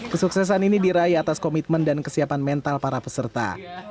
kesuksesan ini diraih atas komitmen dan kesiapan mental para peserta